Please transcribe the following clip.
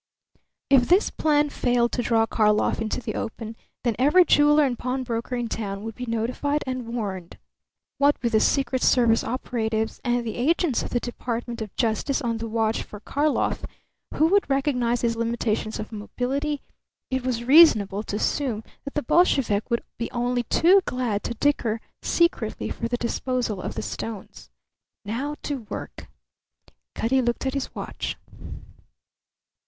If this plan failed to draw Karlov into the open, then every jeweller and pawnbroker in town would be notified and warned. What with the secret service operatives and the agents of the Department of Justice on the watch for Karlov who would recognize his limitations of mobility it was reasonable to assume that the Bolshevik would be only too glad to dicker secretly for the disposal of the stones. Now to work. Cutty looked at his watch.